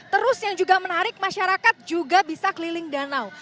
terus yang juga menarik masyarakat juga bisa keliling danau